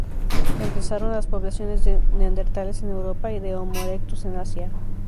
Reemplazaron a las poblaciones de neandertales en Europa y de "Homo Erectus" en Asia.